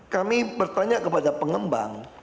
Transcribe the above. kami bertanya kepada pengembang